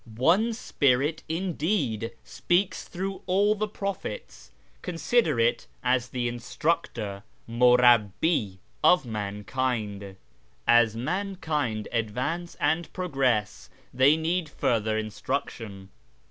One spirit, indeed, speaks through all the prophets ; consider it as the instructor {murabhi) of mankind. As mankind advance and progress, they need fuller instruction.